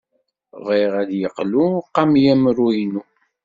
Bɣiɣ ad d-yeqlu uqayemrun-inu.